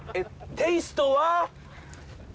テイスト。